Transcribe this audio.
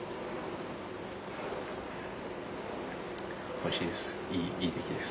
おいしいです。